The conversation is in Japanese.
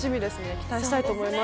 期待したいと思います。